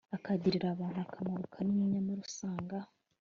akagirira abantu akamaro kanini nyamara usanga